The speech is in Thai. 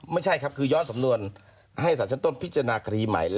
ไม่ใช่ครับคือย้อนสำนวนให้สารชั้นต้นพิจารณาคดีใหม่